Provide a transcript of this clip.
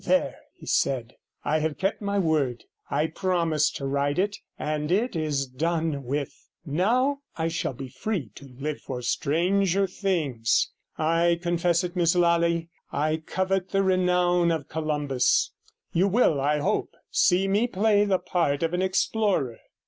There,' he said, 'I have kept my word; I promised to write it, and it is done with. Now I shall be free to live for stranger things; I confess it, Miss Lally, I covet the renown of Columbus; you will, I hope, see me play the part of an explorer.'